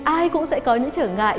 ai cũng sẽ có những trở ngại